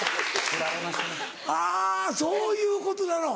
あぁそういうことなの。